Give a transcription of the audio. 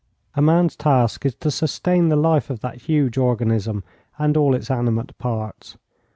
A man's task is to sustain the life of that huge organism and all its animate parts.